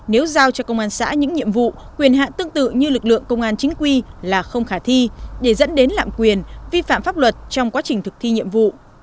nếu giao cho công an xã những nhiệm vụ quyền hạn tương tự như lực lượng công an chính quy là không khả thi để dẫn đến lạm quyền vi phạm pháp luật trong quá trình thực thi nhiệm vụ